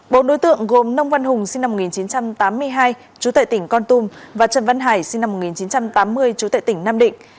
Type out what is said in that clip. bốn đối tượng gồm nông văn hùng sinh năm một nghìn chín trăm tám mươi hai chú tệ tỉnh con tum và trần văn hải sinh năm một nghìn chín trăm tám mươi chú tệ tỉnh nam định